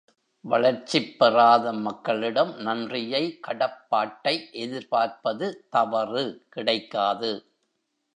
வளர்ச்சிப் பெறாத மக்களிடம் நன்றியை கடப்பாட்டை எதிர்பார்ப்பது தவறு கிடைக்காது.